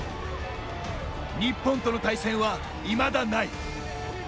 日本との対戦は、いまだない。